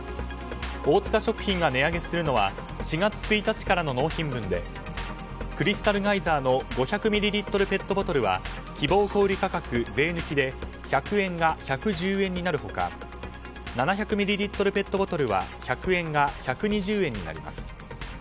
大塚食品が値上げするのは４月１日からの納品分でクリスタルガイザーの５００ミリリットルペットボトルは希望小売価格税抜きで１００円が１１０円になる他７００ミリリットルペットボトルは１００円が１２０円になります。